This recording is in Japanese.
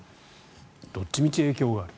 どっちみち影響がある。